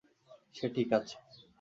সে ঠিক আছে।